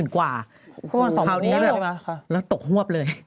คราวนี้เลยแล้วตกหวบเลย